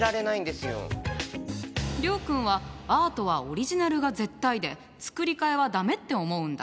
諒君はアートはオリジナルが絶対で作り替えは駄目って思うんだ。